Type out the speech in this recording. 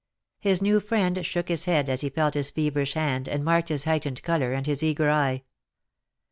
His new friend shook his head as he felt his feverish hand, and marked his heightened colour, and his eager eye.